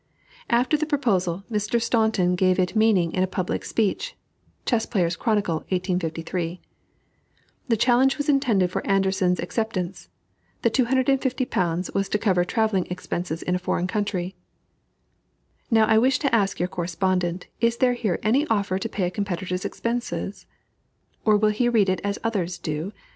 After the proposal, Mr. Staunton gave it meaning in a public speech (Chess Players' Chronicle, 1853) "The challenge was intended for Anderssen's acceptance. The £250 was to cover travelling expenses in a foreign country." Now I wish to ask your correspondent is there here any offer to pay a competitor's expenses? Or will he read it as others do?